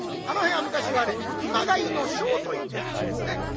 あの辺は昔はね熊谷の庄と言ってたんですね。